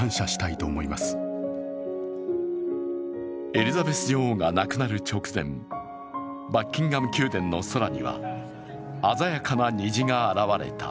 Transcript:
エリザベス女王が亡くなる直前、バッキンガム宮殿の空には鮮やかな虹が現れた。